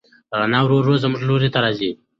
رڼا ورو ورو زموږ لوري ته راځي.